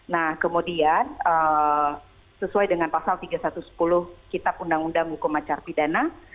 nah kemudian sesuai dengan pasal tiga ratus sepuluh kitab undang undang hukum acara pidana